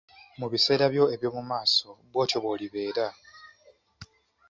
Mu biseera byo eby'omu maaso bw'otyo bw'olibeera.